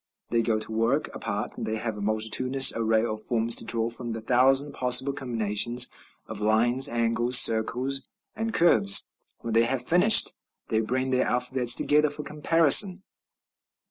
They go to work apart; they have a multitudinous array of forms to draw from the thousand possible combinations of lines, angles, circles, and curves; when they have finished, they bring their alphabets together for comparison.